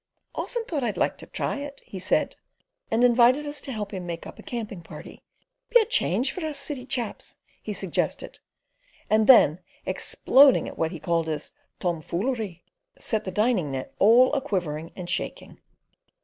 "Often thought I'd like to try it," he said, and invited us to help him make up a camping party. "Be a change for us city chaps," he suggested; and then exploding at what he called his "tomfoolery," set the dining net all a quivering and shaking.